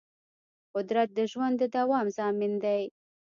قدرت د ژوند د دوام ضامن دی.